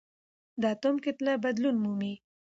د اتوم کتله بدلون مومي.